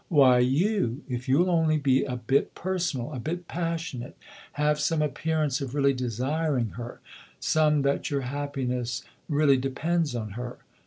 " Why, you if you'll only be a bit personal, a bit passionate, have some appearance of really desiring her, some that your happiness really depends on her."